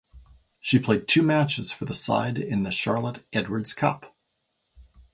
She played two matches for the side in the Charlotte Edwards Cup.